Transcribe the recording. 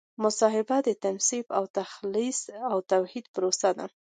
محاسبه د تنصیف او تخلیص او توحید پروسه ده.